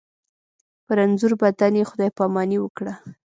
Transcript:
په رنځور بدن یې خدای پاماني وکړه.